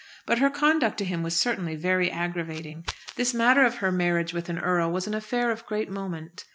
But her conduct to him was certainly very aggravating. This matter of her marriage with an earl was an affair of great moment.